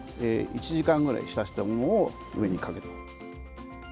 １時間ぐらい浸したものを上にかけてる。